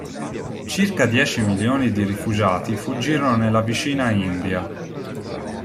Circa dieci milioni di rifugiati fuggirono nella vicina India.